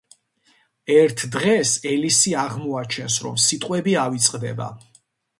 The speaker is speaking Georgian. ერთ დღეს, ელისი აღმოაჩენს, რომ სიტყვები ავიწყდება.